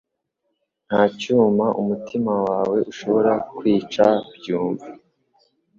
Nta cyuma umutima wawe ushobora kwica byumve